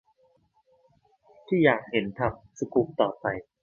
ที่อยากเห็นทำสกู๊ปต่อไป